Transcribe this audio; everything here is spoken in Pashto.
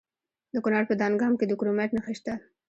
د کونړ په دانګام کې د کرومایټ نښې شته.